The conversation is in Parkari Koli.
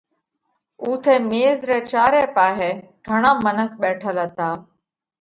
اُوٿئہ ميز رئہ چاري پاهي گھڻا منک ٻيٺل هتا۔